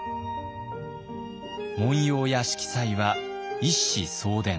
紋様や色彩は一子相伝。